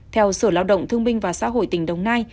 theo sở lao động thương minh và xã hội tỉnh đồng nai